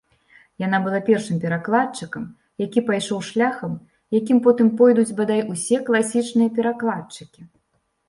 Яна была першым перакладчыкам, які пайшоў шляхам, якім потым пойдуць бадай усе класічныя перакладчыкі.